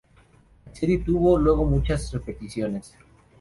La serie tuvo luego muchas repeticiones.